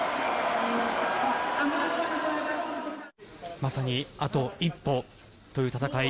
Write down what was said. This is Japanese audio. まさにあと一歩という戦い